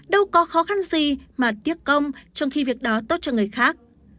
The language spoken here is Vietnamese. đâu có khó khăn gì mà tiếc công trong khi việc đó tốt cho người khác